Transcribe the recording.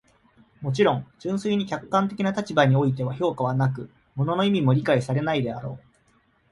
もちろん、純粋に客観的な立場においては評価はなく、物の意味も理解されないであろう。